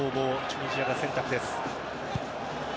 チュニジアの選択です。